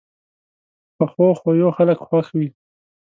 پخو خویو خلک خوښ وي